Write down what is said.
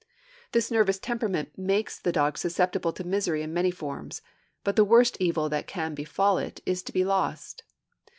This nervous temperament makes the dog susceptible to misery in many forms, but the worst evil that can befall is to be lost.